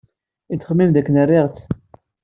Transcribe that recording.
Yettxemmim dakken riɣ-tt.